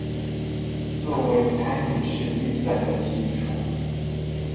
作為參與式預算的基礎